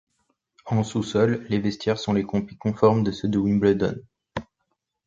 En sous-sol, les vestiaires sont les copies conformes de ceux de Wimbledon.